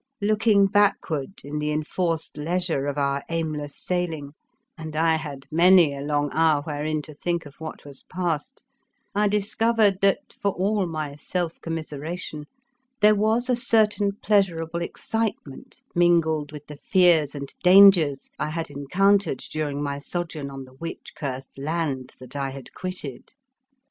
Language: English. Looking backward in the en forced leisure of our aimless sailing, and I had many a long hour wherein to think of what was past, I discovered that, for all my self commiseration, there was a certain pleasurable excite ment mingled with the fears and dan gers I had encountered during my sojourn on the witchcurst land that I had quitted.